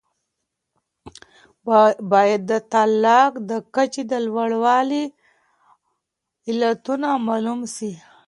باید د طلاق د کچې د لوړوالي علتونه معلوم سي.